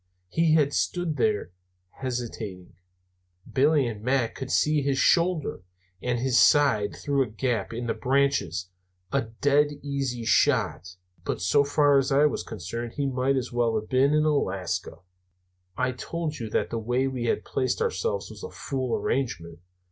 As he stood there, hesitating, Billy and Mac could see his shoulder and his side through a gap in the branches a dead easy shot. But so far as I was concerned, he might as well have been in Alaska. I told you that the way we had placed ourselves was a fool arrangement.